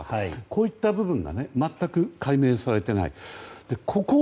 こういった部分が全く解明されてない。